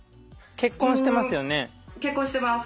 結婚してますはい。